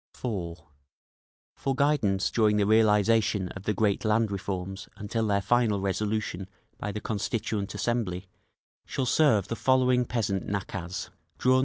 (4.) For guidance during the realisation of the great land reforms until their final resolution by the Constituent Assembly, shall serve the following peasant nakaz (See App.